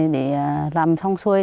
để làm thông xuôi